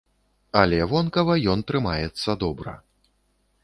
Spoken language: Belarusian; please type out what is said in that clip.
Але вонкава ён трымаецца добра.